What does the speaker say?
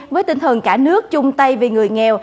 với tinh thần cả nước chung tay vì người nghèo